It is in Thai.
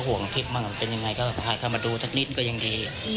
ก็เท่าที่จะดูก็ยังดี